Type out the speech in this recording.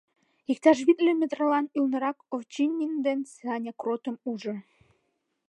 Иктаж витле метрлан ӱлнырак Овчинин ден Саня Кротым ужо.